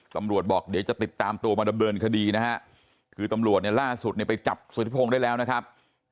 ตำรวจบอกเดี๋ยวจะติดตามตัวมาดำเนินคดีนะฮะคือตำรวจเนี่ยล่าสุดเนี่ยไปจับสุธิพงศ์ได้แล้วนะครับ